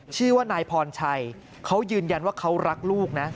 ชื่อว่านายพรชัยเขายืนยันว่าเขารักลูกนะ